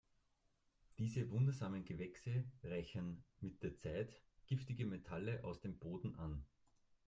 Diese wundersamen Gewächse reichern mit der Zeit giftige Metalle aus dem Boden an.